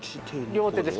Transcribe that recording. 両手です